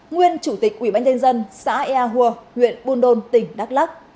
nguyên chủ tịch ủy ban nhân dân xã ea hùa huyện buôn đôn tỉnh đắk lắc